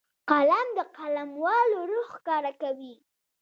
قلم د قلموالو روح ښکاره کوي